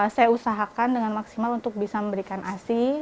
saya usahakan dengan maksimal untuk bisa memberikan asi